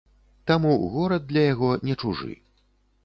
Таму горад для яго не чужы.